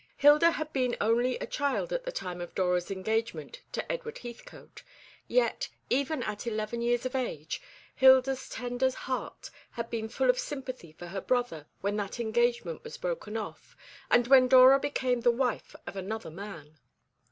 Hilda had been only a child at the time of Dora's engagement to Edward Heathcote; yet, even at eleven years of age, Hilda's tender heart had been full of sympathy for her brother when that engagement was broken off, and when Dora became the wife of another man.